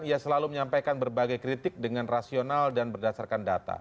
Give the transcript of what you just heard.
ia selalu menyampaikan berbagai kritik dengan rasional dan berdasarkan data